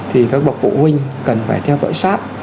thì các bậc phụ huynh cần phải theo dõi sát